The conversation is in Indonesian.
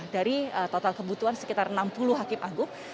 dari total kebutuhan sekitar enam orang